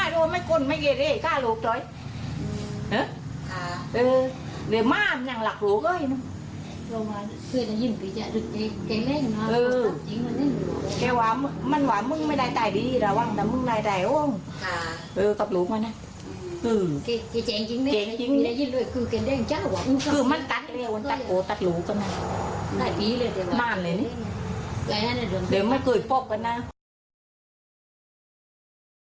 โดยสัญญาณของมนุษย์เนี่ยนะผมว่าสัตว์ยังรักลูกเลยนะยังรักลูก